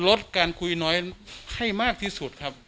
ลดการคุยน้อยให้มากที่สุดครับ